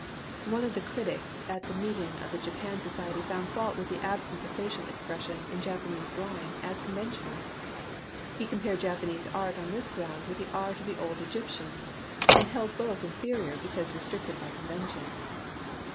One of the critics at the meeting of the Japan Society found fault with the absence of facial expression in Japanese drawing as conventional. He compared Japanese art on this ground with the art of the old Egyptians, and held both inferior because restricted by convention.